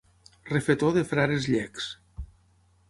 Refetor de frares llecs.